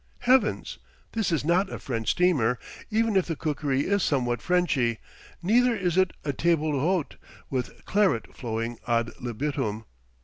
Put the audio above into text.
Heavens! this is not a French steamer, even if the cookery is somewhat Frenchy; neither is it a table d'hote with claret flowing ad libitum.